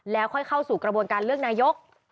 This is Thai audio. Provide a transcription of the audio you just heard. แล้วค่อยเข้าสู่กระบวนการเลือกนายก